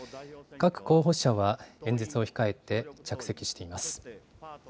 各候補者は演説を控えて着席しています。